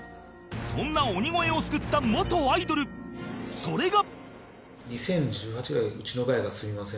そんな鬼越を救った元アイドルそれが